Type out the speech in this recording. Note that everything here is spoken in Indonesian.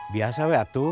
biasa weh atu